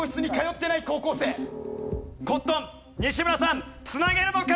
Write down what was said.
コットン西村さん繋げるのか？